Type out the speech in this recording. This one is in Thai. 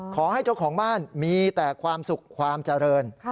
ขอให้เจ้าของบ้านมีแต่ความสุขความเจริญ